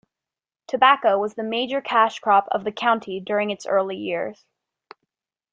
Tobacco was the major cash crop of the county during its early years.